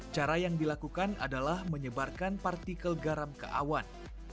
cara yang dilakukan adalah menyebarkan partikel garam ke awan